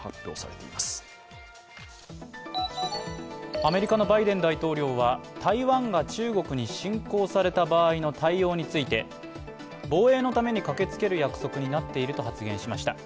アメリカのバイデン大統領は台湾が中国に侵攻された場合の対応について防衛のために駆けつける約束になっていると発言しました。